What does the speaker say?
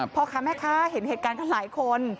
พ่อค้าแม่ค้าเห็นเหตุการณ์กันหลายคน